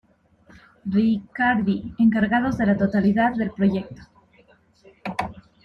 Ricciardi encargados de la totalidad del proyecto.